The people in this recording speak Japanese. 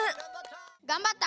がんばった！